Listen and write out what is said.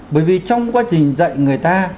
bởi vì trong quá trình dạy người ta